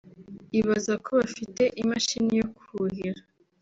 Ibaza ko bafite imashini yo kuhira